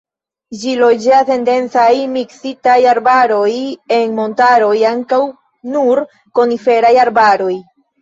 Ĝi loĝas en densaj, miksitaj arbaroj, en montaroj ankaŭ nur koniferaj arbaroj.